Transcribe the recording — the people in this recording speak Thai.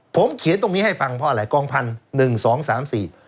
ผมเขียนตรงนี้ให้ฟังเพราะอะไรกองพันหนึ่งสองสามสี่